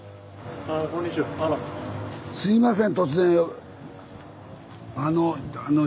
すいません突然。